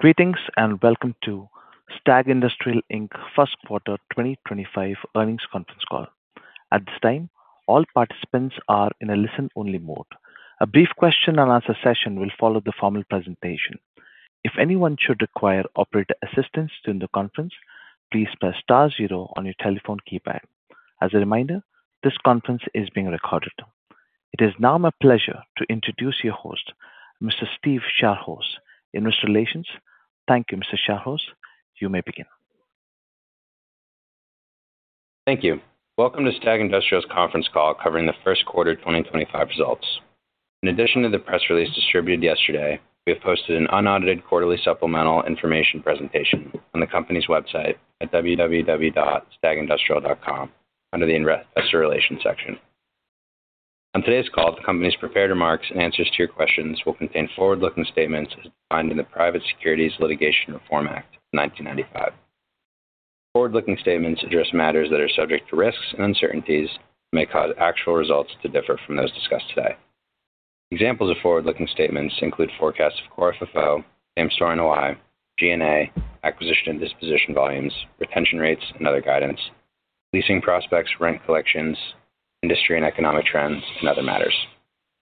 Greetings and welcome to STAG Industrial first quarter 2025 earnings conference call. At this time, all participants are in a listen-only mode. A brief question-and-answer session will follow the formal presentation. If anyone should require operator assistance during the conference, please press star zero on your telephone keypad. As a reminder, this conference is being recorded. It is now my pleasure to introduce your host, Mr. Steve Xiarhos, Investor Relations. Thank you, Mr. Xiarhos. You may begin. Thank you. Welcome to STAG Industrial's conference call covering the first quarter 2025 results. In addition to the press release distributed yesterday, we have posted an unaudited quarterly supplemental information presentation on the company's website at www.stagindustrial.com under the investor relations section. On today's call, the company's prepared remarks and answers to your questions will contain forward-looking statements as defined in the Private Securities Litigation Reform Act 1995. Forward-looking statements address matters that are subject to risks and uncertainties and may cause actual results to differ from those discussed today. Examples of forward-looking statements include forecasts of core FFO, same-store NOI, G&A, acquisition and disposition volumes, retention rates, and other guidance, leasing prospects, rent collections, industry and economic trends, and other matters.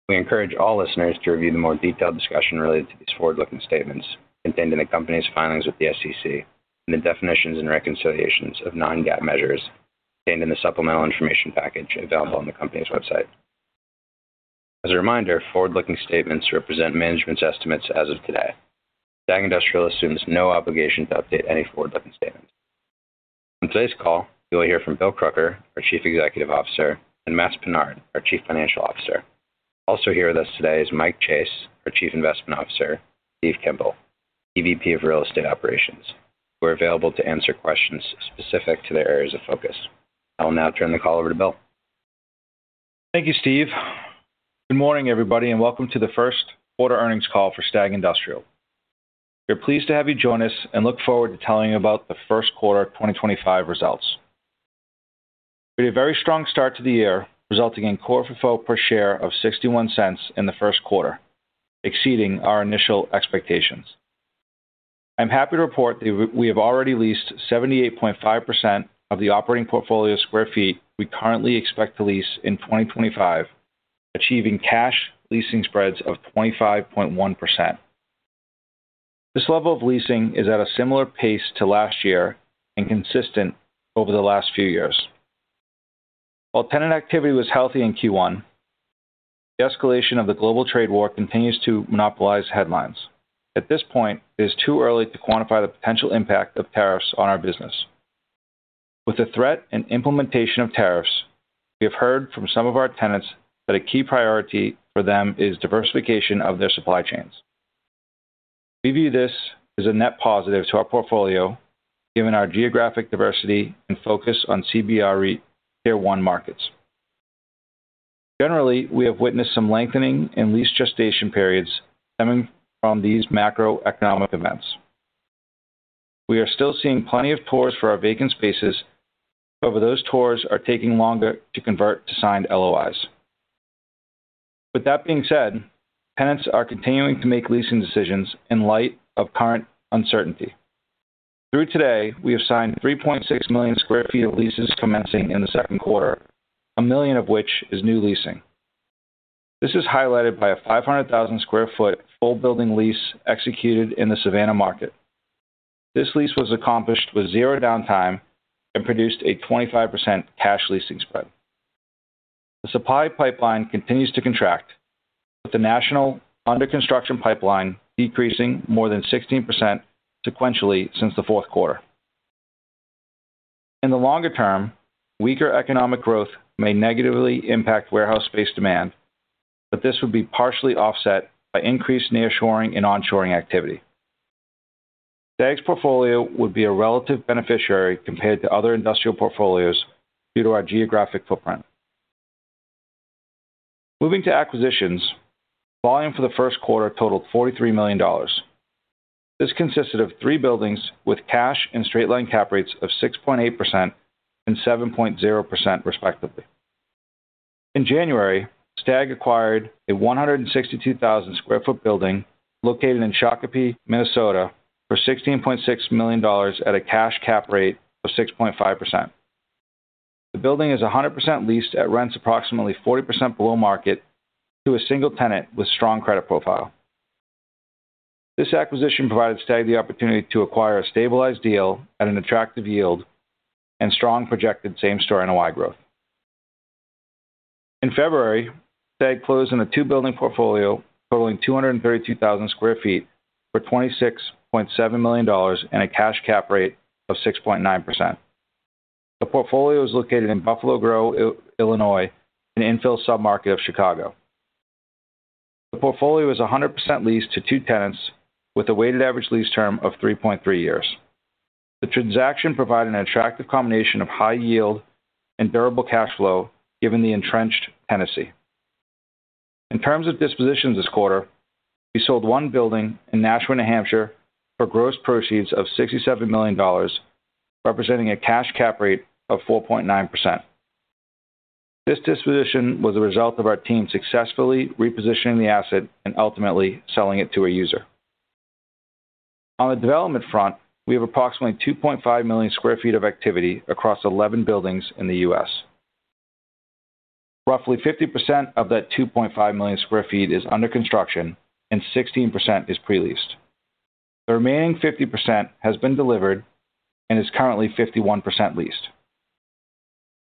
We encourage all listeners to review the more detailed discussion related to these forward-looking statements contained in the company's filings with the SEC and the definitions and reconciliations of non-GAAP measures contained in the supplemental information package available on the company's website. As a reminder, forward-looking statements represent management's estimates as of today. STAG Industrial assumes no obligation to update any forward-looking statements. On today's call, you will hear from Bill Crooker, our Chief Executive Officer, and Matts Pinard, our Chief Financial Officer. Also here with us today is Mike Chase, our Chief Investment Officer, Steve Kimball, EVP of Real Estate Operations. We're available to answer questions specific to their areas of focus. I'll now turn the call over to Bill. Thank you, Steve. Good morning, everybody, and welcome to the first quarter earnings call for STAG Industrial. We're pleased to have you join us and look forward to telling you about the first quarter 2025 results. We had a very strong start to the year, resulting in core FFO per share of $0.61 in the first quarter, exceeding our initial expectations. I'm happy to report that we have already leased 78.5% of the operating portfolio square feet we currently expect to lease in 2025, achieving cash leasing spreads of 25.1%. This level of leasing is at a similar pace to last year and consistent over the last few years. While tenant activity was healthy in Q1, the escalation of the global trade war continues to monopolize headlines. At this point, it is too early to quantify the potential impact of tariffs on our business. With the threat and implementation of tariffs, we have heard from some of our tenants that a key priority for them is diversification of their supply chains. We view this as a net positive to our portfolio, given our geographic diversity and focus on CBRE tier one markets. Generally, we have witnessed some lengthening in lease gestation periods stemming from these macroeconomic events. We are still seeing plenty of tours for our vacant spaces, but those tours are taking longer to convert to signed LOIs. That being said, tenants are continuing to make leasing decisions in light of current uncertainty. Through today, we have signed 3.6 million sq ft of leases commencing in the second quarter, a million of which is new leasing. This is highlighted by a 500,000 sq ft full building lease executed in the Savannah market. This lease was accomplished with zero downtime and produced a 25% cash leasing spread. The supply pipeline continues to contract, with the national under-construction pipeline decreasing more than 16% sequentially since the fourth quarter. In the longer term, weaker economic growth may negatively impact warehouse space demand, but this would be partially offset by increased nearshoring and onshoring activity. STAG's portfolio would be a relative beneficiary compared to other industrial portfolios due to our geographic footprint. Moving to acquisitions, volume for the first quarter totaled $43 million. This consisted of three buildings with cash and straight line cap rates of 6.8% and 7.0%, respectively. In January, STAG acquired a 162,000 sq ft building located in Shakopee, Minnesota, for $16.6 million at a cash cap rate of 6.5%. The building is 100% leased at rents approximately 40% below market to a single tenant with a strong credit profile. This acquisition provided STAG the opportunity to acquire a stabilized deal at an attractive yield and strong projected same-store NOI growth. In February, STAG closed on a two-building portfolio totaling 232,000 sq ft for $26.7 million and a cash cap rate of 6.9%. The portfolio is located in Buffalo Grove, Illinois, an infill submarket of Chicago. The portfolio is 100% leased to two tenants with a weighted average lease term of 3.3 years. The transaction provided an attractive combination of high yield and durable cash flow given the entrenched tenancy. In terms of dispositions this quarter, we sold one building in Nashua, New Hampshire for gross proceeds of $67 million, representing a cash cap rate of 4.9%. This disposition was a result of our team successfully repositioning the asset and ultimately selling it to a user. On the development front, we have approximately 2.5 million sq ft of activity across 11 buildings in the U.S. Roughly 50% of that 2.5 million sq ft is under construction and 16% is pre-leased. The remaining 50% has been delivered and is currently 51% leased.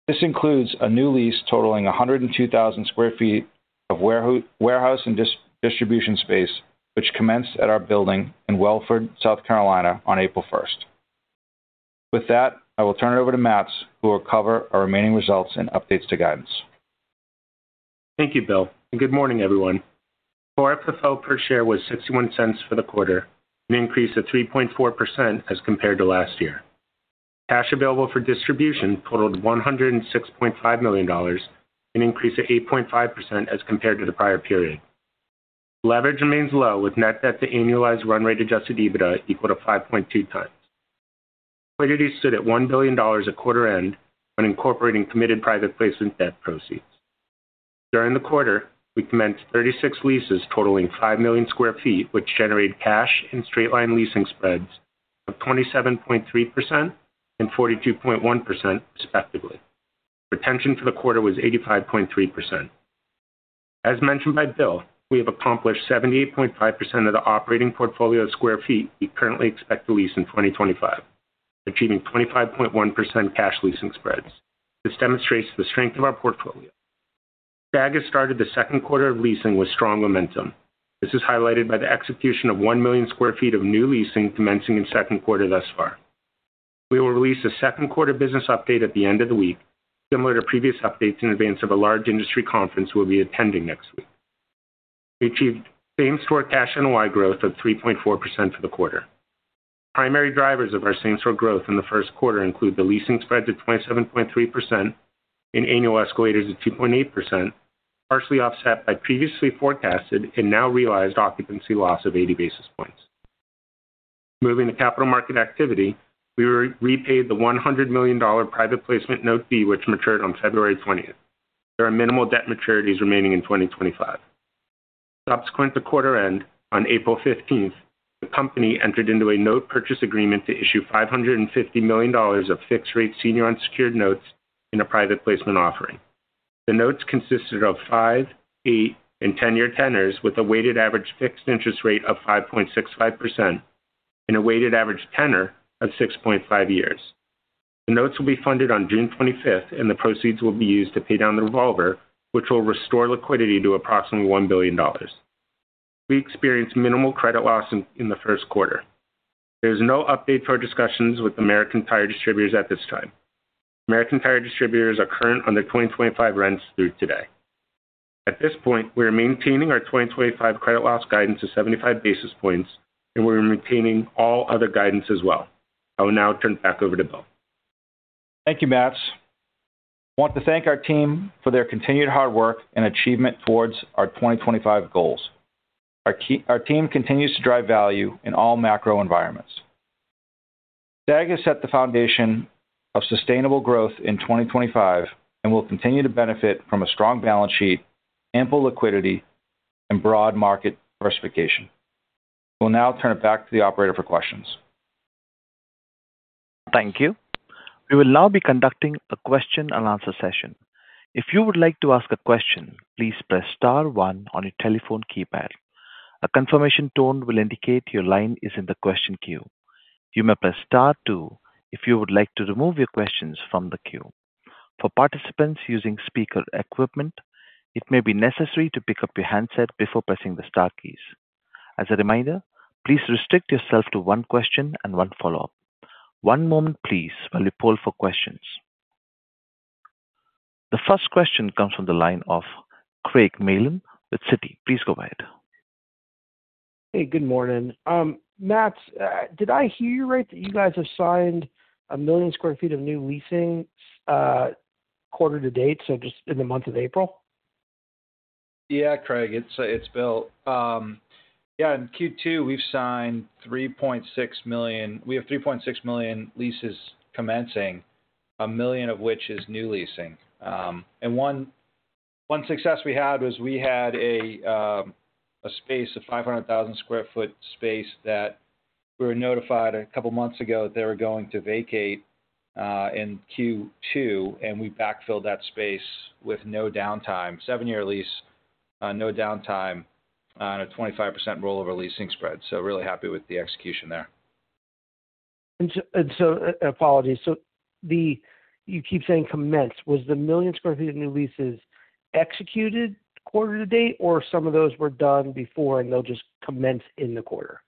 This includes a new lease totaling 102,000 sq ft of warehouse and distribution space, which commenced at our building in Wellford, South Carolina, on April 1st. With that, I will turn it over to Matts, who will cover our remaining results and updates to guidance. Thank you, Bill. Good morning, everyone. Core FFO per share was $0.61 for the quarter, an increase of 3.4% as compared to last year. Cash available for distribution totaled $106.5 million, an increase of 8.5% as compared to the prior period. Leverage remains low with net debt to annualized run rate Adjusted EBITDA equal to 5.2 times. Liquidity stood at $1 billion at quarter end when incorporating committed private placement debt proceeds. During the quarter, we commenced 36 leases totaling 5 million sq ft, which generated cash and straight line leasing spreads of 27.3% and 42.1%, respectively. Retention for the quarter was 85.3%. As mentioned by Bill, we have accomplished 78.5% of the operating portfolio sq ft we currently expect to lease in 2025, achieving 25.1% cash leasing spreads. This demonstrates the strength of our portfolio. STAG has started the second quarter of leasing with strong momentum. This is highlighted by the execution of 1 million sq ft of new leasing commencing in second quarter thus far. We will release a second quarter business update at the end of the week, similar to previous updates in advance of a large industry conference we will be attending next week. We achieved same-store cash and NOI growth of 3.4% for the quarter. Primary drivers of our same-store growth in the first quarter include the leasing spread to 27.3% and annual escalators of 2.8%, partially offset by previously forecasted and now realized occupancy loss of 80 basis points. Moving to capital market activity, we repaid the $100 million private placement note fee, which matured on February 20th. There are minimal debt maturities remaining in 2025. Subsequent to quarter end, on April 15th, the company entered into a note purchase agreement to issue $550 million of fixed rate senior unsecured notes in a private placement offering. The notes consisted of five, eight, and ten-year tenors with a weighted average fixed interest rate of 5.65% and a weighted average tenor of 6.5 years. The notes will be funded on June 25th, and the proceeds will be used to pay down the revolver, which will restore liquidity to approximately $1 billion. We experienced minimal credit loss in the first quarter. There is no update for discussions with American Tire Distributors at this time. American Tire Distributors are current on their 2025 rents through today. At this point, we are maintaining our 2025 credit loss guidance of 75 basis points, and we are maintaining all other guidance as well. I will now turn it back over to Bill. Thank you, Matts. I want to thank our team for their continued hard work and achievement towards our 2025 goals. Our team continues to drive value in all macro environments. STAG has set the foundation of sustainable growth in 2025 and will continue to benefit from a strong balance sheet, ample liquidity, and broad market diversification. We'll now turn it back to the operator for questions. Thank you. We will now be conducting a question and answer session. If you would like to ask a question, please press star one on your telephone keypad. A confirmation tone will indicate your line is in the question queue. You may press star two if you would like to remove your questions from the queue. For participants using speaker equipment, it may be necessary to pick up your handset before pressing the star keys. As a reminder, please restrict yourself to one question and one follow-up. One moment, please, while we poll for questions. The first question comes from the line of Craig Mailman with Citi. Please go ahead. Hey, good morning. Matts, did I hear you right that you guys have signed a million sq ft of new leasing quarter to date, so just in the month of April? Yeah, Craig. It's Bill. Yeah, in Q2, we've signed 3.6 million. We have 3.6 million leases commencing, a million of which is new leasing. One success we had was we had a space of 500,000 sq ft space that we were notified a couple of months ago that they were going to vacate in Q2, and we backfilled that space with no downtime, seven-year lease, no downtime, and a 25% roll over leasing spread. Really happy with the execution there. Apologies. You keep saying commenced. Was the million sq ft of new leases executed quarter to date, or were some of those done before and they will just commence in the quarter?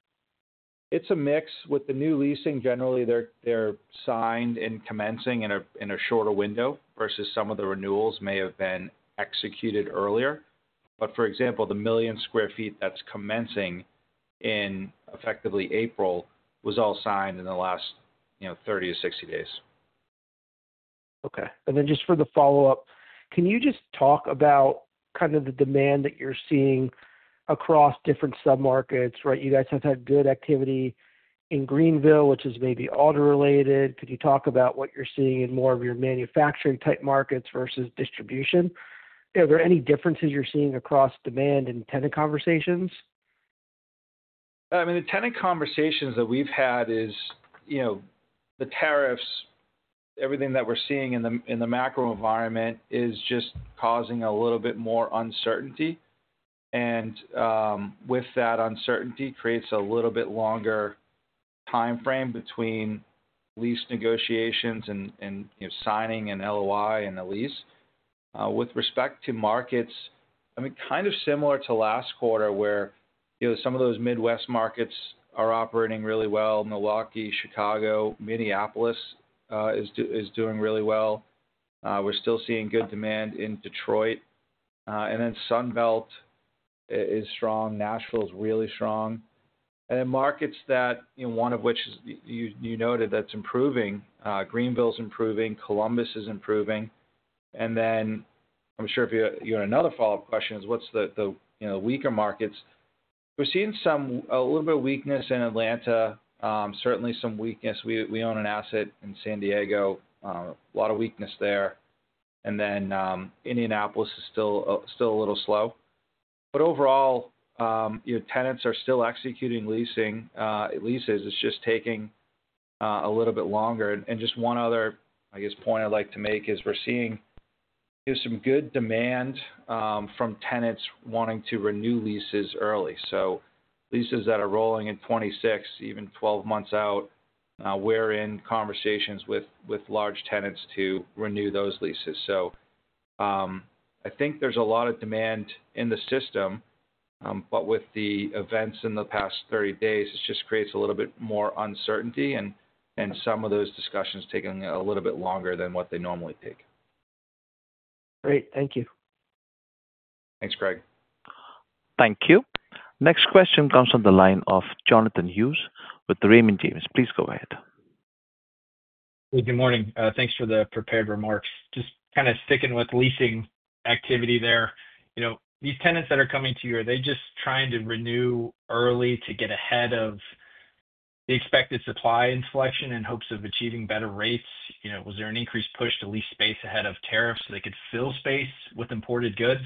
It's a mix. With the new leasing, generally, they're signed and commencing in a shorter window versus some of the renewals may have been executed earlier. For example, the million sq ft that's commencing in effectively April was all signed in the last 30-60 days. Okay. For the follow-up, can you just talk about kind of the demand that you're seeing across different submarkets? Right? You guys have had good activity in Greenville, which is maybe auto-related. Could you talk about what you're seeing in more of your manufacturing type markets versus distribution? Are there any differences you're seeing across demand and tenant conversations? I mean, the tenant conversations that we've had is the tariffs, everything that we're seeing in the macro environment is just causing a little bit more uncertainty. With that uncertainty creates a little bit longer timeframe between lease negotiations and signing an LOI and a lease. With respect to markets, I mean, kind of similar to last quarter where some of those Midwest markets are operating really well. Milwaukee, Chicago, Minneapolis is doing really well. We're still seeing good demand in Detroit. Sunbelt is strong. Nashville is really strong. Markets that, one of which you noted that's improving, Greenville is improving, Columbus is improving. I'm sure you had another follow-up question is what's the weaker markets? We're seeing a little bit of weakness in Atlanta, certainly some weakness. We own an asset in San Diego, a lot of weakness there. Indianapolis is still a little slow. Overall, tenants are still executing leases. It is just taking a little bit longer. One other point I would like to make is we are seeing some good demand from tenants wanting to renew leases early. Leases that are rolling in 2026, even 12 months out, we are in conversations with large tenants to renew those leases. I think there is a lot of demand in the system, but with the events in the past 30 days, it just creates a little bit more uncertainty and some of those discussions are taking a little bit longer than what they normally take. Great. Thank you. Thanks, Craig. Thank you. Next question comes on the line of Jonathan Hughes with Raymond James. Please go ahead. Hey, good morning. Thanks for the prepared remarks. Just kind of sticking with leasing activity there. These tenants that are coming to you, are they just trying to renew early to get ahead of the expected supply and selection in hopes of achieving better rates? Was there an increased push to lease space ahead of tariffs so they could fill space with imported goods?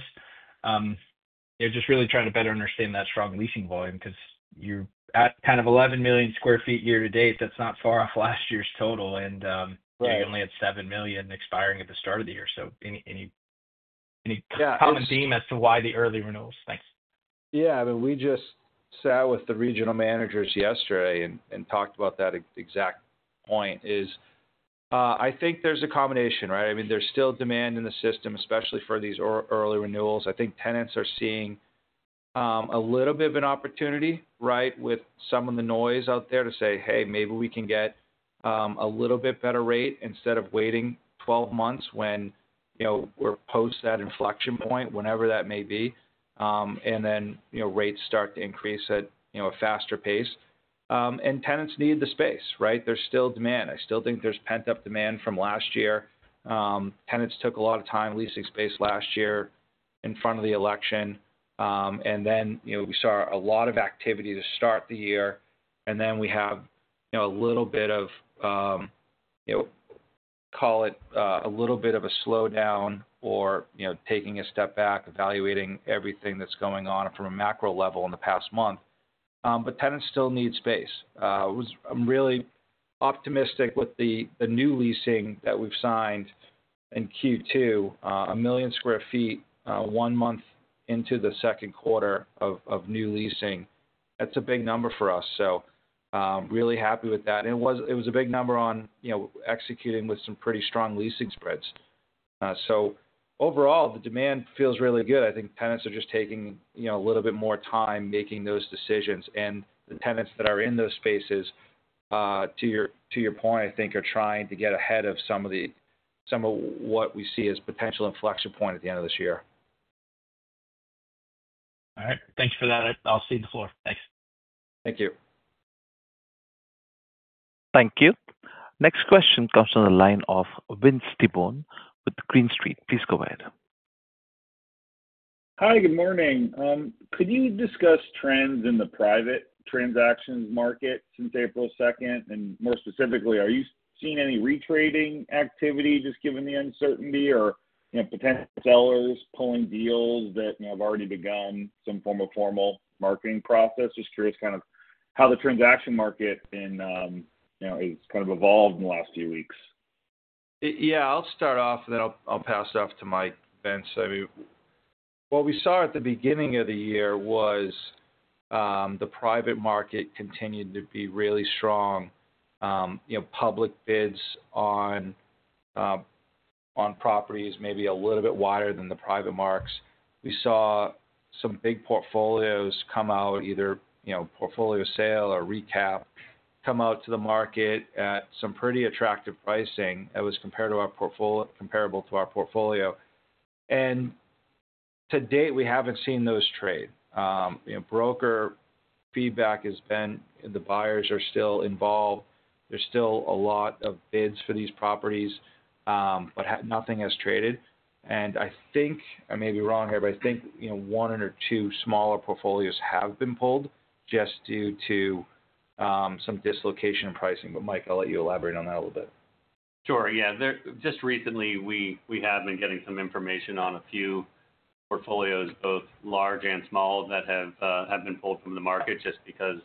They're just really trying to better understand that strong leasing volume because you're at kind of 11 million sq ft year to date. That's not far off last year's total. And you only had 7 million expiring at the start of the year. Any common theme as to why the early renewals? Thanks. Yeah. I mean, we just sat with the regional managers yesterday and talked about that exact point. I think there's a combination, right? I mean, there's still demand in the system, especially for these early renewals. I think tenants are seeing a little bit of an opportunity, right, with some of the noise out there to say, "Hey, maybe we can get a little bit better rate instead of waiting 12 months when we're post that inflection point, whenever that may be." Rates start to increase at a faster pace. Tenants need the space, right? There's still demand. I still think there's pent-up demand from last year. Tenants took a lot of time leasing space last year in front of the election. We saw a lot of activity to start the year. We have a little bit of, call it a little bit of a slowdown or taking a step back, evaluating everything that's going on from a macro level in the past month. Tenants still need space. I'm really optimistic with the new leasing that we've signed in Q2, a million square feet one month into the second quarter of new leasing. That's a big number for us. I'm really happy with that. It was a big number on executing with some pretty strong leasing spreads. Overall, the demand feels really good. I think tenants are just taking a little bit more time making those decisions. The tenants that are in those spaces, to your point, I think are trying to get ahead of some of what we see as potential inflection point at the end of this year. All right. Thanks for that. I'll cede the floor. Thanks. Thank you. Thank you. Next question comes on the line of Vince Tibone with Green Street. Please go ahead. Hi, good morning. Could you discuss trends in the private transactions market since April 2nd? More specifically, are you seeing any retrading activity just given the uncertainty or potential sellers pulling deals that have already begun some form of formal marketing process? Just curious kind of how the transaction market has kind of evolved in the last few weeks. Yeah. I'll start off with that. I'll pass it off to Mike, Vince. I mean, what we saw at the beginning of the year was the private market continued to be really strong. Public bids on properties maybe a little bit wider than the private marks. We saw some big portfolios come out, either portfolio sale or recap, come out to the market at some pretty attractive pricing that was comparable to our portfolio. To date, we haven't seen those trade. Broker feedback has been the buyers are still involved. There's still a lot of bids for these properties, but nothing has traded. I think, I may be wrong here, but I think one or two smaller portfolios have been pulled just due to some dislocation in pricing. Mike, I'll let you elaborate on that a little bit. Sure. Yeah. Just recently, we have been getting some information on a few portfolios, both large and small, that have been pulled from the market just because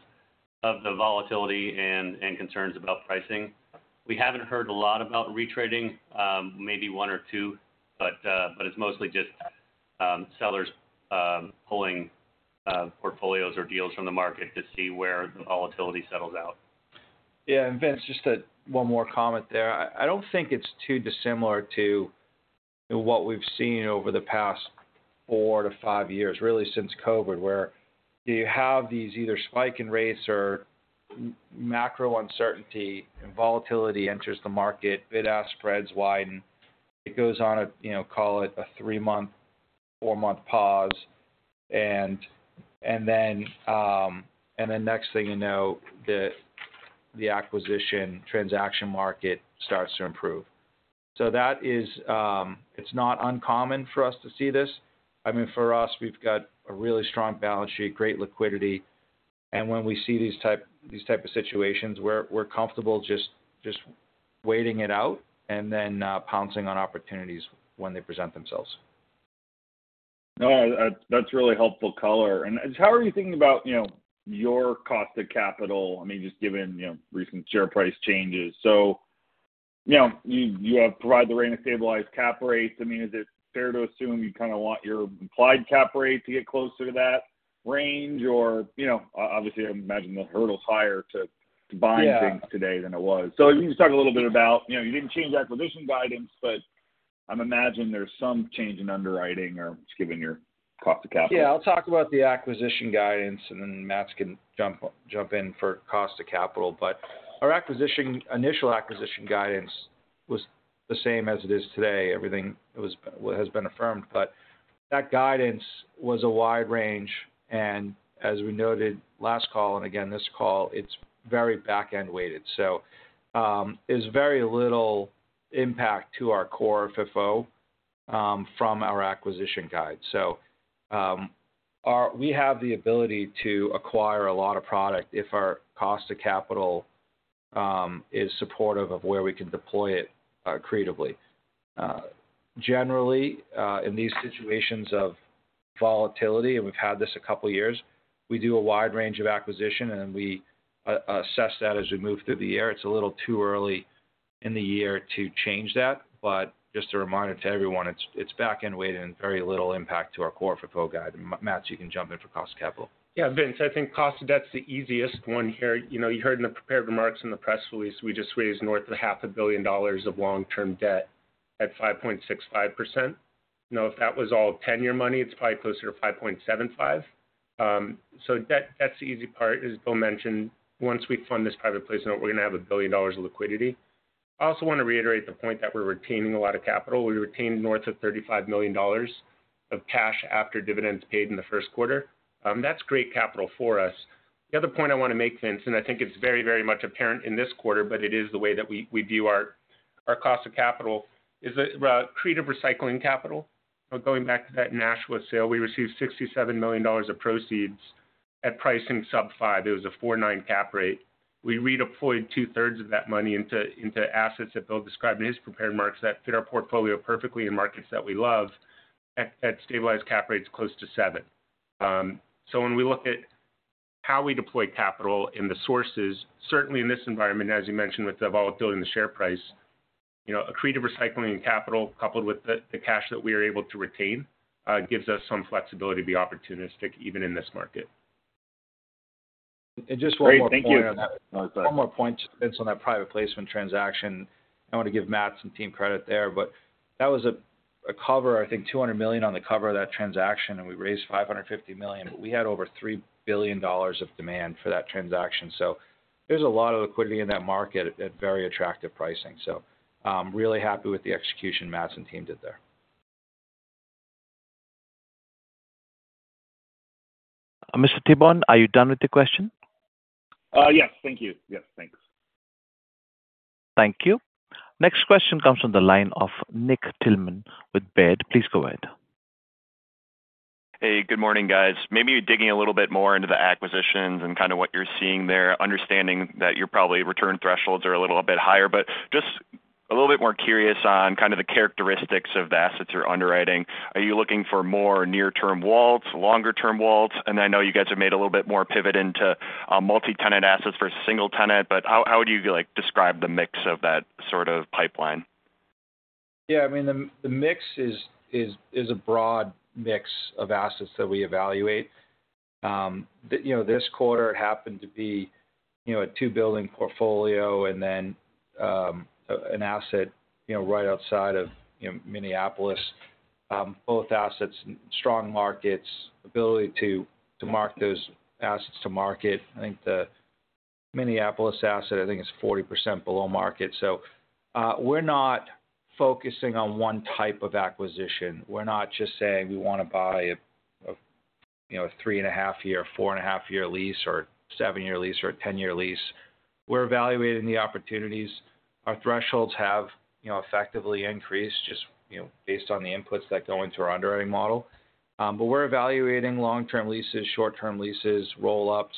of the volatility and concerns about pricing. We have not heard a lot about retrading, maybe one or two, but it is mostly just sellers pulling portfolios or deals from the market to see where the volatility settles out. Yeah. Vince, just one more comment there. I do not think it is too dissimilar to what we have seen over the past four to five years, really since COVID, where you have these either spike in rates or macro uncertainty and volatility enters the market, bid-ask spreads widen, it goes on a, call it a three-month, four-month pause. The next thing you know, the acquisition transaction market starts to improve. It is not uncommon for us to see this. I mean, for us, we have got a really strong balance sheet, great liquidity. When we see these types of situations, we are comfortable just waiting it out and then pouncing on opportunities when they present themselves. No, that's really helpful color. How are you thinking about your cost of capital, I mean, just given recent share price changes? You provide the range of stabilized cap rates. I mean, is it fair to assume you kind of want your implied cap rate to get closer to that range? Obviously, I imagine the hurdle's higher to buying things today than it was. You just talked a little bit about you didn't change acquisition guidance, but I'm imagining there's some change in underwriting or just given your cost of capital. Yeah. I'll talk about the acquisition guidance, and then Matts can jump in for cost of capital. Our initial acquisition guidance was the same as it is today. Everything has been affirmed. That guidance was a wide range. As we noted last call, and again this call, it's very back-end weighted. There is very little impact to our core FFO from our acquisition guide. We have the ability to acquire a lot of product if our cost of capital is supportive of where we can deploy it creatively. Generally, in these situations of volatility, and we've had this a couple of years, we do a wide range of acquisition, and we assess that as we move through the year. It's a little too early in the year to change that. Just a reminder to everyone, it's back-end weighted and very little impact to our core FFO guide. Matts, you can jump in for cost of capital. Yeah. Vince, I think cost of debt's the easiest one here. You heard in the prepared remarks in the press release, we just raised north of $500 million of long-term debt at 5.65%. Now, if that was all 10-year money, it's probably closer to 5.75%. That's the easy part, as Bill mentioned. Once we fund this private placement, we're going to have $1 billion of liquidity. I also want to reiterate the point that we're retaining a lot of capital. We retained north of $35 million of cash after dividends paid in the first quarter. That's great capital for us. The other point I want to make, Vince, and I think it's very, very much apparent in this quarter, but it is the way that we view our cost of capital is creative recycling capital. Going back to that Nashville sale, we received $67 million of proceeds at pricing sub five. It was a 4.9% cap rate. We redeployed two-thirds of that money into assets that Bill described in his prepared marks that fit our portfolio perfectly in markets that we love at stabilized cap rates close to 7%. When we look at how we deploy capital in the sources, certainly in this environment, as you mentioned with the volatility in the share price, a creative recycling capital coupled with the cash that we are able to retain gives us some flexibility to be opportunistic even in this market. Just one more point. Great. Thank you. One more point. Vince on that private placement transaction. I want to give Matts and team credit there. That was a cover, I think, $200 million on the cover of that transaction, and we raised $550 million. We had over $3 billion of demand for that transaction. There is a lot of liquidity in that market at very attractive pricing. Really happy with the execution Matts and team did there. Mr. Tibone, are you done with the question? Yes. Thank you. Yes. Thanks. Thank you. Next question comes on the line of Nick Thillman with Baird. Please go ahead. Hey, good morning, guys. Maybe you're digging a little bit more into the acquisitions and kind of what you're seeing there, understanding that your probably return thresholds are a little bit higher. Just a little bit more curious on kind of the characteristics of the assets you're underwriting. Are you looking for more near-term walls, longer-term walls? I know you guys have made a little bit more pivot into multi-tenant assets versus single-tenant. How would you describe the mix of that sort of pipeline? Yeah. I mean, the mix is a broad mix of assets that we evaluate. This quarter, it happened to be a two-building portfolio and then an asset right outside of Minneapolis. Both assets, strong markets, ability to mark those assets to market. I think the Minneapolis asset, I think, is 40% below market. So we're not focusing on one type of acquisition. We're not just saying we want to buy a three-and-a-half-year, four-and-a-half-year lease or a seven-year lease or a 10-year lease. We're evaluating the opportunities. Our thresholds have effectively increased just based on the inputs that go into our underwriting model. But we're evaluating long-term leases, short-term leases, roll-ups,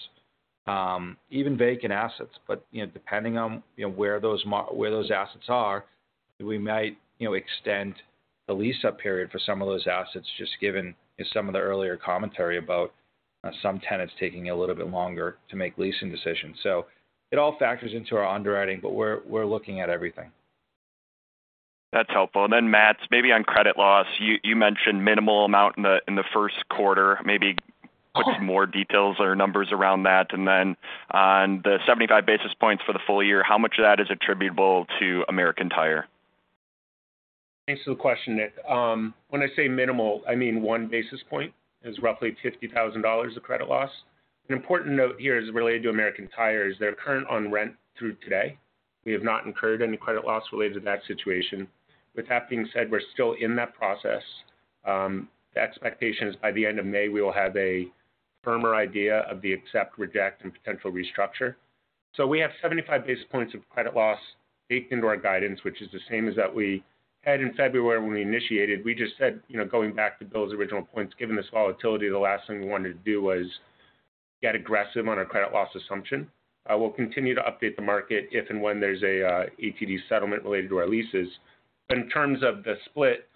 even vacant assets. Depending on where those assets are, we might extend the lease-up period for some of those assets just given some of the earlier commentary about some tenants taking a little bit longer to make leasing decisions. It all factors into our underwriting, but we're looking at everything. That's helpful. Matts, maybe on credit loss, you mentioned minimal amount in the first quarter. Maybe put some more details or numbers around that. On the 75 basis points for the full year, how much of that is attributable to American Tire? Thanks for the question. When I say minimal, I mean one basis point is roughly $50,000 of credit loss. An important note here is related to American Tire Distributors is they're current on rent through today. We have not incurred any credit loss related to that situation. With that being said, we're still in that process. The expectation is by the end of May, we will have a firmer idea of the accept, reject, and potential restructure. We have 75 basis points of credit loss baked into our guidance, which is the same as that we had in February when we initiated. We just said, going back to Bill's original points, given this volatility, the last thing we wanted to do was get aggressive on our credit loss assumption. We'll continue to update the market if and when there's an ATD settlement related to our leases. In terms of the split,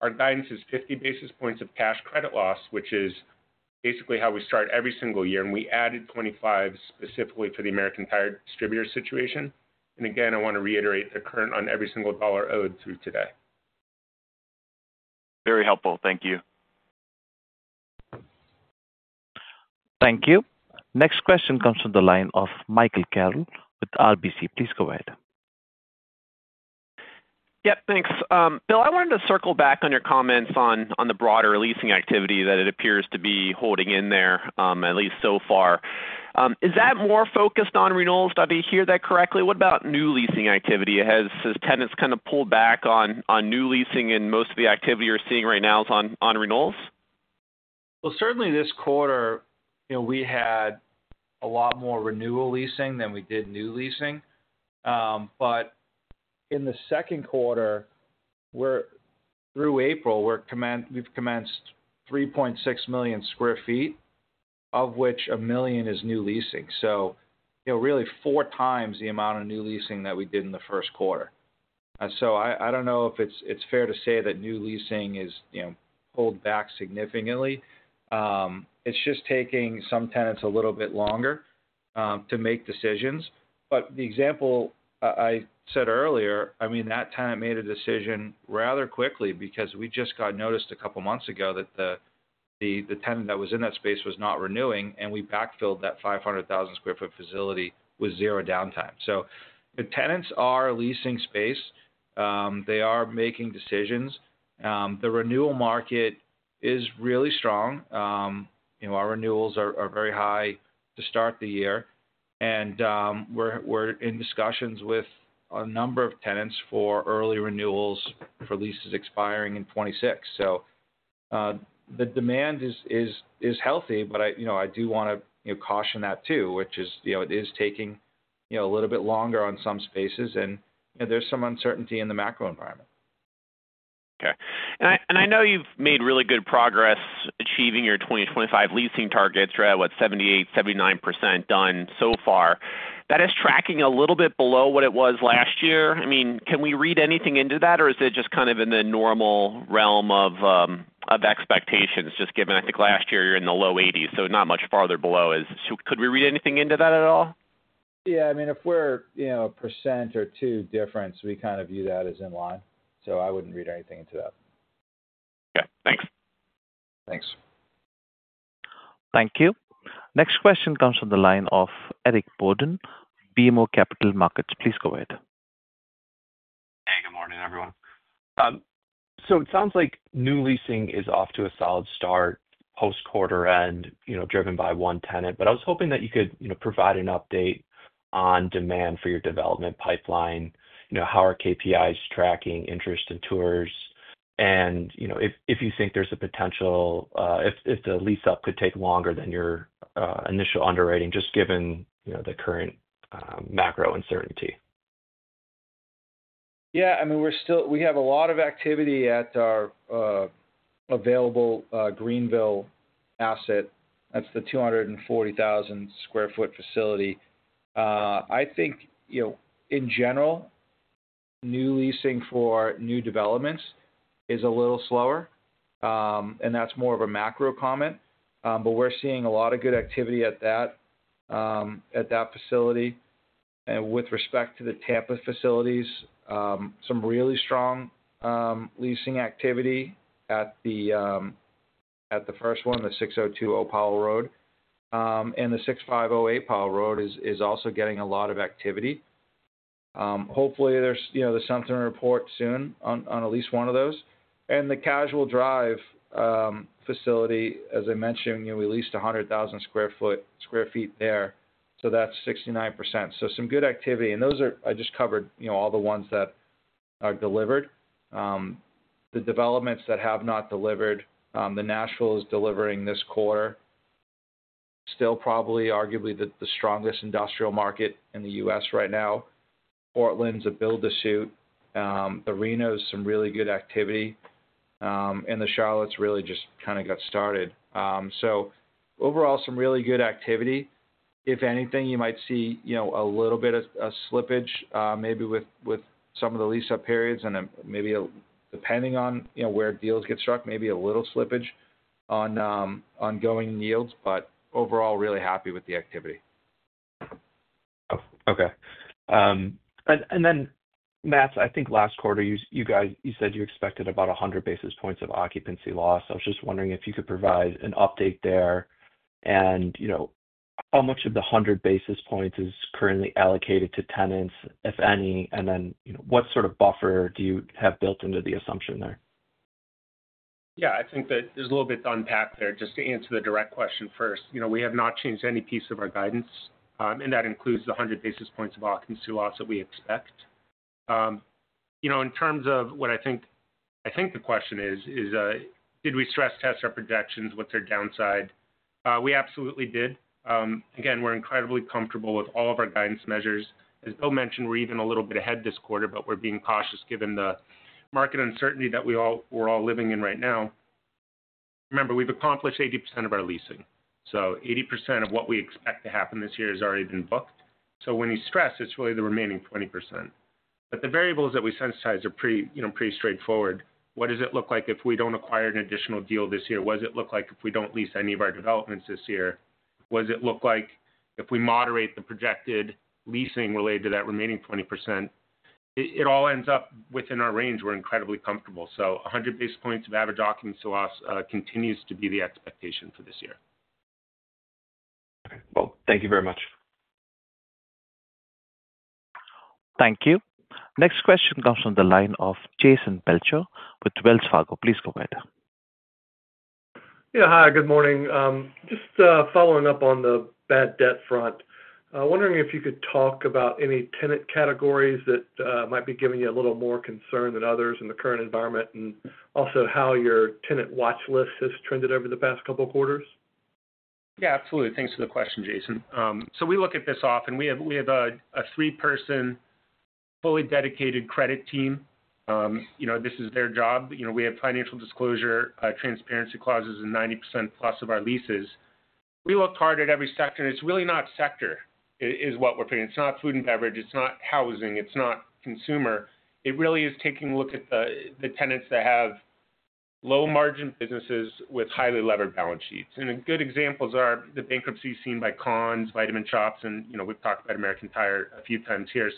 our guidance is 50 basis points of cash credit loss, which is basically how we start every single year. We added 25 specifically for the American Tire Distributors situation. I want to reiterate they're current on every single dollar owed through today. Very helpful. Thank you. Thank you. Next question comes on the line of Michael Carroll with RBC. Please go ahead. Yep. Thanks. Bill, I wanted to circle back on your comments on the broader leasing activity that it appears to be holding in there, at least so far. Is that more focused on renewals? Did I hear that correctly? What about new leasing activity? Has tenants kind of pulled back on new leasing, and most of the activity you're seeing right now is on renewals? Certainly this quarter, we had a lot more renewal leasing than we did new leasing. In the second quarter, through April, we've commenced 3.6 million sq ft, of which 1 million is new leasing. Really four times the amount of new leasing that we did in the first quarter. I don't know if it's fair to say that new leasing has pulled back significantly. It's just taking some tenants a little bit longer to make decisions. The example I said earlier, I mean, that tenant made a decision rather quickly because we just got notice a couple of months ago that the tenant that was in that space was not renewing, and we backfilled that 500,000 sq ft facility with zero downtime. The tenants are leasing space. They are making decisions. The renewal market is really strong. Our renewals are very high to start the year. We are in discussions with a number of tenants for early renewals for leases expiring in 2026. The demand is healthy, but I do want to caution that too, which is it is taking a little bit longer on some spaces, and there is some uncertainty in the macro environment. Okay. I know you've made really good progress achieving your 2025 leasing targets right at, what, 78-79% done so far. That is tracking a little bit below what it was last year. I mean, can we read anything into that, or is it just kind of in the normal realm of expectations? Just given, I think, last year, you were in the low 80s, so not much farther below. Could we read anything into that at all? Yeah. I mean, if we're a percent or two difference, we kind of view that as in line. I wouldn't read anything into that. Okay. Thanks. Thanks. Thank you. Next question comes on the line of Eric Borden, BMO Capital Markets. Please go ahead. Hey, good morning, everyone. It sounds like new leasing is off to a solid start post-quarter end, driven by one tenant. I was hoping that you could provide an update on demand for your development pipeline, how are KPIs tracking interest in tours, and if you think there's a potential if the lease-up could take longer than your initial underwriting, just given the current macro uncertainty. Yeah. I mean, we have a lot of activity at our available Greenville asset. That's the 240,000 sq ft facility. I think, in general, new leasing for new developments is a little slower, and that's more of a macro comment. We are seeing a lot of good activity at that facility. With respect to the Tampa facilities, some really strong leasing activity at the first one, the 6020 Paul Road, and the 6508 Paul Road is also getting a lot of activity. Hopefully, there is something to report soon on at least one of those. The Casual Drive facility, as I mentioned, we leased 100,000 sq ft there. That is 69%. Some good activity. Those are, I just covered all the ones that are delivered. The developments that have not delivered, the Nashville is delivering this quarter, still probably arguably the strongest industrial market in the U.S. right now. Portland's a build-to-suit. The Reno's some really good activity. The Charlotte's really just kind of got started. Overall, some really good activity. If anything, you might see a little bit of slippage maybe with some of the lease-up periods and maybe depending on where deals get struck, maybe a little slippage on ongoing yields. Overall, really happy with the activity. Okay. Matts, I think last quarter, you said you expected about 100 basis points of occupancy loss. I was just wondering if you could provide an update there and how much of the 100 basis points is currently allocated to tenants, if any, and what sort of buffer you have built into the assumption there? Yeah. I think that there's a little bit to unpack there. Just to answer the direct question first, we have not changed any piece of our guidance, and that includes the 100 basis points of occupancy loss that we expect. In terms of what I think the question is, did we stress test our projections with their downside? We absolutely did. Again, we're incredibly comfortable with all of our guidance measures. As Bill mentioned, we're even a little bit ahead this quarter, but we're being cautious given the market uncertainty that we're all living in right now. Remember, we've accomplished 80% of our leasing. 80% of what we expect to happen this year has already been booked. When you stress, it's really the remaining 20%. The variables that we sensitize are pretty straightforward. What does it look like if we don't acquire an additional deal this year? What does it look like if we don't lease any of our developments this year? What does it look like if we moderate the projected leasing related to that remaining 20%? It all ends up within our range. We're incredibly comfortable. 100 basis points of average occupancy loss continues to be the expectation for this year. Okay. Thank you very much. Thank you. Next question comes on the line of Jason Belcher with Wells Fargo. Please go ahead. Yeah. Hi. Good morning. Just following up on the bad debt front, wondering if you could talk about any tenant categories that might be giving you a little more concern than others in the current environment and also how your tenant watch list has trended over the past couple of quarters. Yeah. Absolutely. Thanks for the question, Jason. We look at this often. We have a three-person, fully dedicated credit team. This is their job. We have financial disclosure transparency clauses in 90% plus of our leases. We looked hard at every sector. It is really not sector is what we are picking. It is not food and beverage. It is not housing. It is not consumer. It really is taking a look at the tenants that have low-margin businesses with highly levered balance sheets. Good examples are the bankruptcies seen by Conn's, Vitamin Shoppe, and we have talked about American Tire a few times here.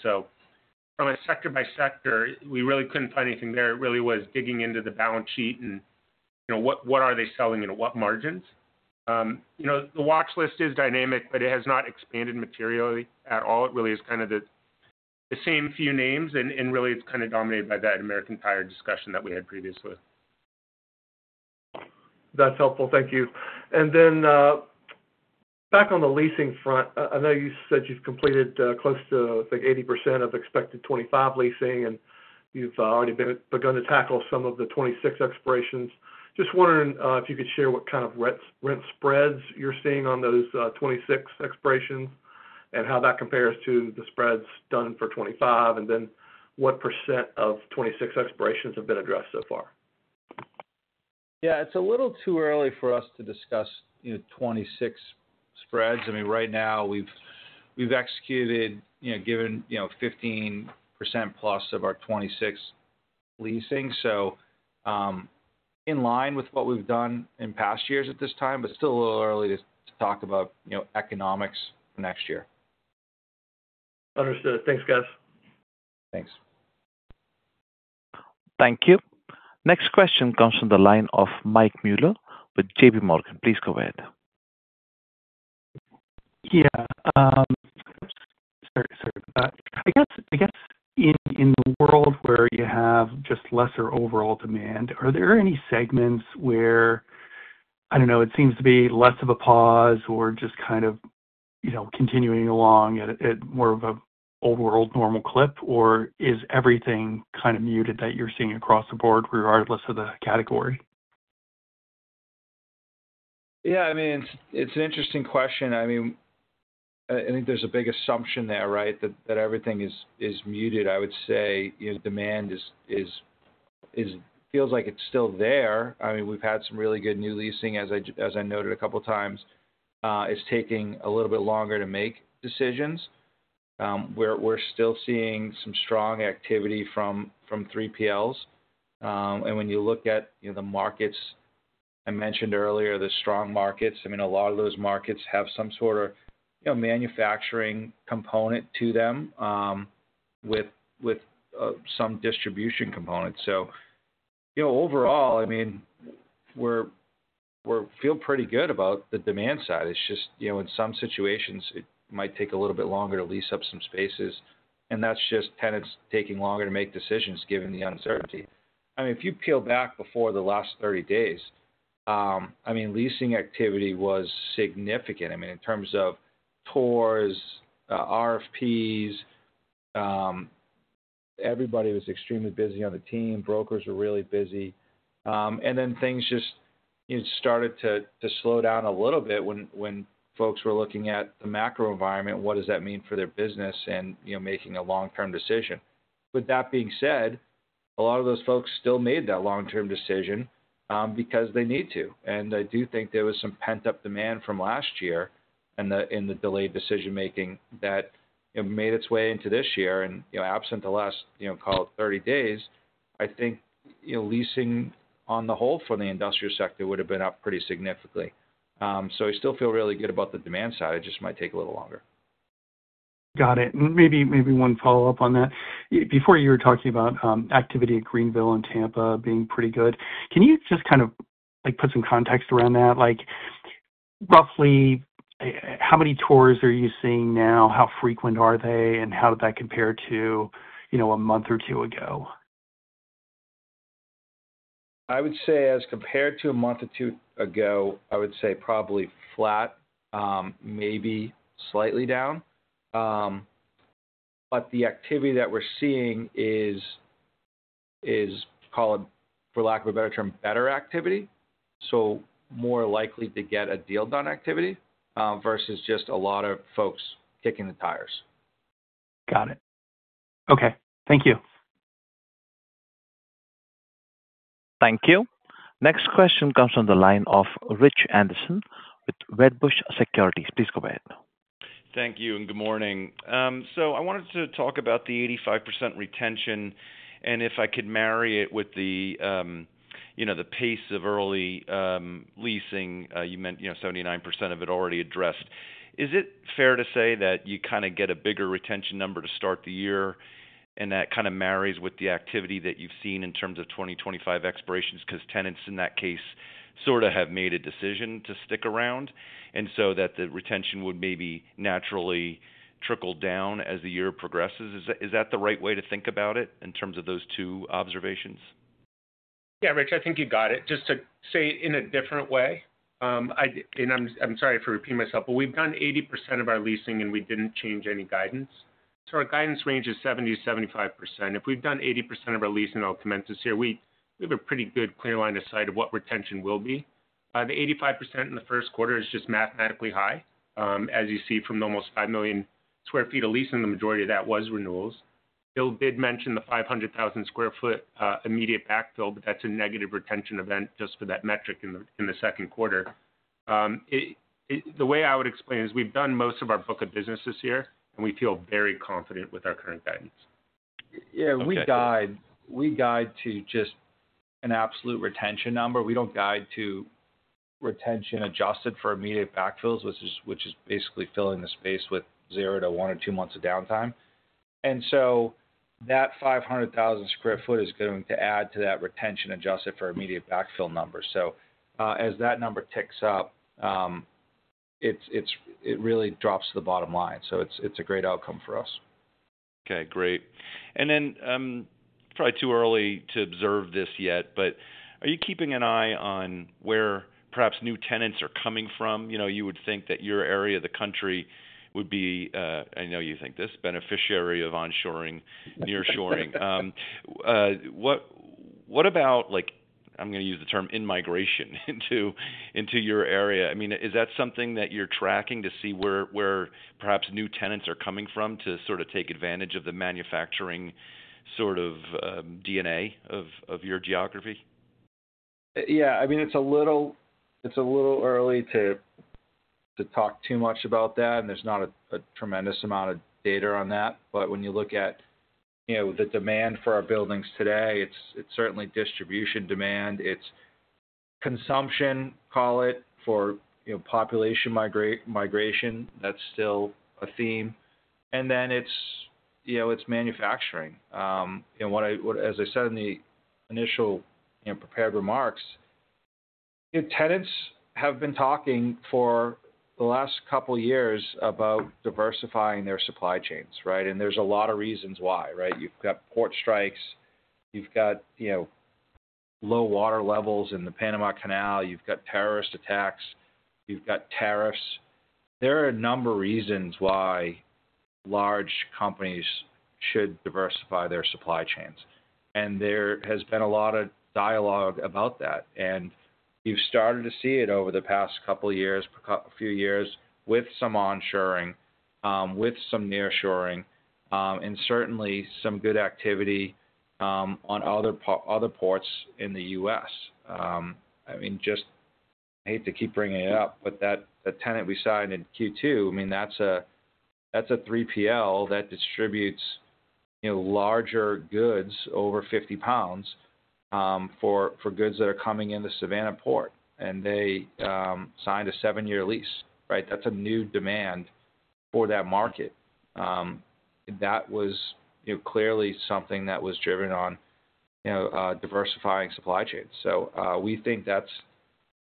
From a sector-by-sector, we really could not find anything there. It really was digging into the balance sheet and what are they selling at what margins. The watch list is dynamic, but it has not expanded materially at all. It really is kind of the same few names, and really, it's kind of dominated by that American Tire discussion that we had previously. That's helpful. Thank you. Back on the leasing front, I know you said you've completed close to, I think, 80% of expected 2025 leasing, and you've already begun to tackle some of the 2026 expirations. Just wondering if you could share what kind of rent spreads you're seeing on those 2026 expirations and how that compares to the spreads done for 2025, and what % of 2026 expirations have been addressed so far. Yeah. It's a little too early for us to discuss 2026 spreads. I mean, right now, we've executed given 15% plus of our 2026 leasing, so in line with what we've done in past years at this time, but still a little early to talk about economics for next year. Understood. Thanks, guys. Thanks. Thank you. Next question comes on the line of Mike Mueller with J.P. Morgan. Please go ahead. Yeah. Sorry. I guess in the world where you have just lesser overall demand, are there any segments where, I don't know, it seems to be less of a pause or just kind of continuing along at more of an old-world normal clip, or is everything kind of muted that you're seeing across the board regardless of the category? Yeah. I mean, it's an interesting question. I mean, I think there's a big assumption there, right, that everything is muted. I would say demand feels like it's still there. I mean, we've had some really good new leasing, as I noted a couple of times. It's taking a little bit longer to make decisions. We're still seeing some strong activity from 3PLs. When you look at the markets I mentioned earlier, the strong markets, I mean, a lot of those markets have some sort of manufacturing component to them with some distribution component. Overall, I mean, we feel pretty good about the demand side. It's just in some situations, it might take a little bit longer to lease up some spaces, and that's just tenants taking longer to make decisions given the uncertainty. I mean, if you peel back before the last 30 days, I mean, leasing activity was significant. I mean, in terms of tours, RFPs, everybody was extremely busy on the team. Brokers were really busy. Things just started to slow down a little bit when folks were looking at the macro environment, what does that mean for their business and making a long-term decision. With that being said, a lot of those folks still made that long-term decision because they need to. I do think there was some pent-up demand from last year in the delayed decision-making that made its way into this year. Absent the last, call it, 30 days, I think leasing on the whole for the industrial sector would have been up pretty significantly. I still feel really good about the demand side. It just might take a little longer. Got it. Maybe one follow-up on that. Before, you were talking about activity at Greenville and Tampa being pretty good. Can you just kind of put some context around that? Roughly, how many tours are you seeing now? How frequent are they, and how did that compare to a month or two ago? I would say as compared to a month or two ago, I would say probably flat, maybe slightly down. The activity that we're seeing is, call it, for lack of a better term, better activity, so more likely to get a deal done activity versus just a lot of folks kicking the tires. Got it. Okay. Thank you. Thank you. Next question comes on the line of Rich Anderson with Wedbush Securities. Please go ahead. Thank you. Good morning. I wanted to talk about the 85% retention and if I could marry it with the pace of early leasing. You meant 79% of it already addressed. Is it fair to say that you kind of get a bigger retention number to start the year, and that kind of marries with the activity that you've seen in terms of 2025 expirations because tenants in that case sort of have made a decision to stick around and so that the retention would maybe naturally trickle down as the year progresses? Is that the right way to think about it in terms of those two observations? Yeah, Rich, I think you got it. Just to say it in a different way, and I'm sorry for repeating myself, but we've done 80% of our leasing, and we didn't change any guidance. Our guidance range is 70-75%. If we've done 80% of our leasing documents this year, we have a pretty good clear line of sight of what retention will be. The 85% in the first quarter is just mathematically high. As you see from almost 5 million sq ft of leasing, the majority of that was renewals. Bill did mention the 500,000 sq ft immediate backfill, but that's a negative retention event just for that metric in the second quarter. The way I would explain is we've done most of our book of business this year, and we feel very confident with our current guidance. Yeah. We guide to just an absolute retention number. We do not guide to retention adjusted for immediate backfills, which is basically filling the space with zero to one or two months of downtime. That 500,000 sq ft is going to add to that retention adjusted for immediate backfill number. As that number ticks up, it really drops the bottom line. It is a great outcome for us. Okay. Great. Probably too early to observe this yet, but are you keeping an eye on where perhaps new tenants are coming from? You would think that your area of the country would be—I know you think this—a beneficiary of onshoring, nearshoring. What about—I'm going to use the term—immigration into your area? I mean, is that something that you're tracking to see where perhaps new tenants are coming from to sort of take advantage of the manufacturing sort of DNA of your geography? Yeah. I mean, it's a little early to talk too much about that, and there's not a tremendous amount of data on that. When you look at the demand for our buildings today, it's certainly distribution demand. It's consumption, call it, for population migration. That's still a theme. It's manufacturing. As I said in the initial prepared remarks, tenants have been talking for the last couple of years about diversifying their supply chains, right? There's a lot of reasons why, right? You've got port strikes. You've got low water levels in the Panama Canal. You've got terrorist attacks. You've got tariffs. There are a number of reasons why large companies should diversify their supply chains. There has been a lot of dialogue about that. You have started to see it over the past couple of years, a few years with some onshoring, with some nearshoring, and certainly some good activity on other ports in the U.S. I mean, just—I hate to keep bringing it up, but that tenant we signed in Q2, I mean, that is a 3PL that distributes larger goods over 50 lbs for goods that are coming into Savannah Port, and they signed a seven-year lease, right? That is a new demand for that market. That was clearly something that was driven on diversifying supply chains. We think that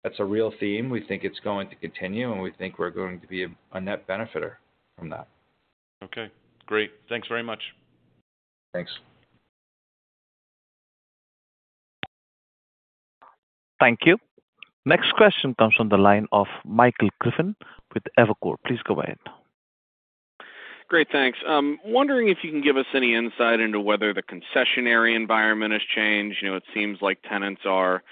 is a real theme. We think it is going to continue, and we think we are going to be a net benefitor from that. Okay. Great. Thanks very much. Thanks. Thank you. Next question comes on the line of Michael Griffin with Evercore. Please go ahead. Great. Thanks. Wondering if you can give us any insight into whether the concessionary environment has changed. It seems like tenants are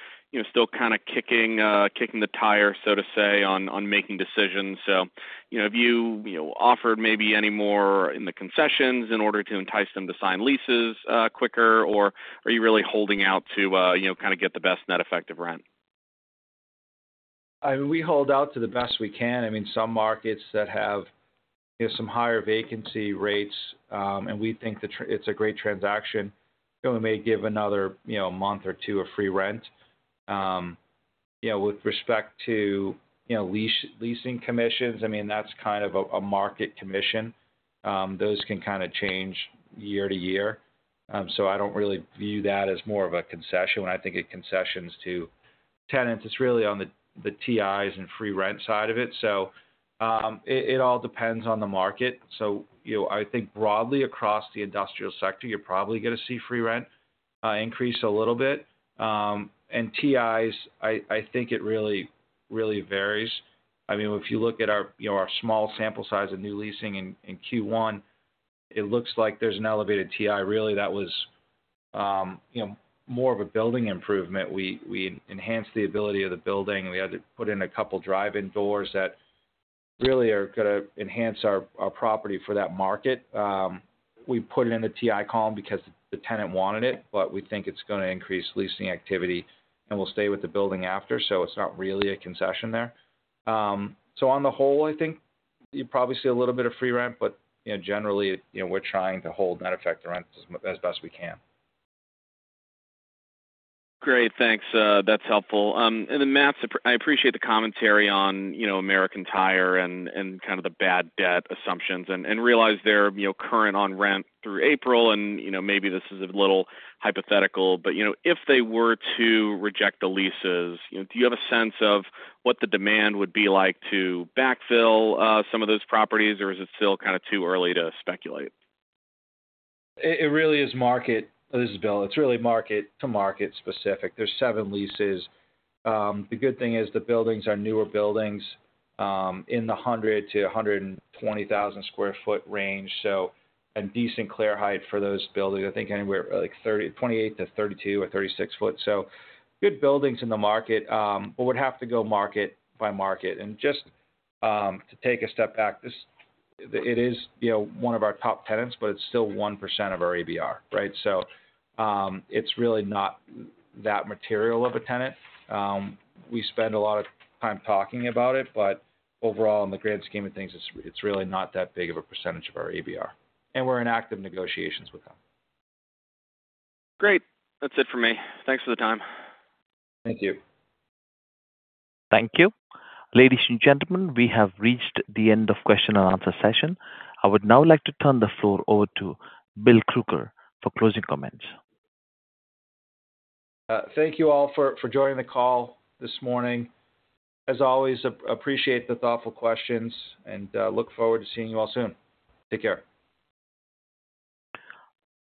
still kind of kicking the tire, so to say, on making decisions. Have you offered maybe any more in the concessions in order to entice them to sign leases quicker, or are you really holding out to kind of get the best net effective rent? I mean, we hold out to the best we can. I mean, some markets that have some higher vacancy rates, and we think it's a great transaction, we may give another month or two of free rent. With respect to leasing commissions, I mean, that's kind of a market commission. Those can kind of change year to year. I don't really view that as more of a concession. When I think of concessions to tenants, it's really on the TIs and free rent side of it. It all depends on the market. I think broadly across the industrial sector, you're probably going to see free rent increase a little bit. And TIs, I think it really varies. I mean, if you look at our small sample size of new leasing in Q1, it looks like there's an elevated TI. Really, that was more of a building improvement. We enhanced the ability of the building. We had to put in a couple of drive-in doors that really are going to enhance our property for that market. We put it in the TI column because the tenant wanted it, but we think it's going to increase leasing activity, and we'll stay with the building after. It's not really a concession there. On the whole, I think you probably see a little bit of free rent, but generally, we're trying to hold net effective rent as best we can. Great. Thanks. That's helpful. I appreciate the commentary on American Tire and kind of the bad debt assumptions and realize they're current on rent through April. Maybe this is a little hypothetical, but if they were to reject the leases, do you have a sense of what the demand would be like to backfill some of those properties, or is it still kind of too early to speculate? It really is market. This is Bill. It's really market to market specific. There are seven leases. The good thing is the buildings are newer buildings in the 100-120,000 sq ft range, so a decent clear height for those buildings. I think anywhere like 28-32 or 36 foot. Good buildings in the market, but we would have to go market by market. Just to take a step back, it is one of our top tenants, but it's still 1% of our ABR, right? It is really not that material of a tenant. We spend a lot of time talking about it, but overall, in the grand scheme of things, it is really not that big of a percentage of our ABR. We are in active negotiations with them. Great. That's it for me. Thanks for the time. Thank you. Thank you. Ladies and gentlemen, we have reached the end of the question and answer session. I would now like to turn the floor over to Bill Crooker for closing comments. Thank you all for joining the call this morning. As always, appreciate the thoughtful questions and look forward to seeing you all soon. Take care.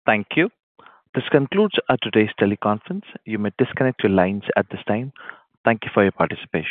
Thank you. This concludes our today's teleconference. You may disconnect your lines at this time. Thank you for your participation.